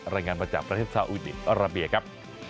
รายงานมาจากประเทศสาวิทยุนิศรับเบียร์ครับ